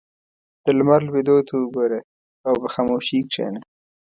• د لمر لوېدو ته وګوره او په خاموشۍ کښېنه.